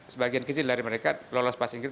sebagian kecil dari mereka lolos passing grade